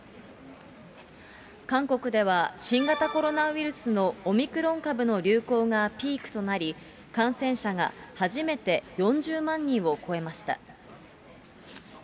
韓国では新型コロナウイルスのオミクロン株の流行がピークとなり、感染者が初めて４０万人を超えました。